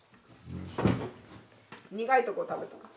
苦いとこ食べたら。